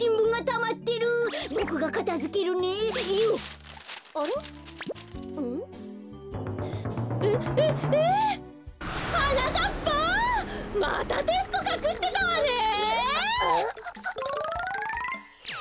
またテストかくしてたわね！